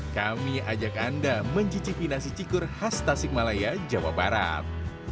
kami ajak anda mencicipi nasi cikur khas tasik malaya jawa barat